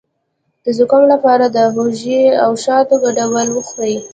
د زکام لپاره د هوږې او شاتو ګډول وخورئ